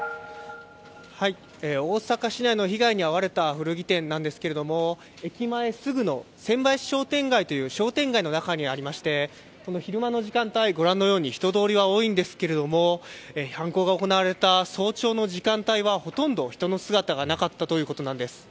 大阪市内の被害に遭われた古着店なんですけれども、駅前すぐの千林商店街という商店街の中にありまして、この昼間の時間帯、ご覧のように人通りは多いんですけれども、犯行が行われた早朝の時間帯はほとんど人の姿がなかったということなんです。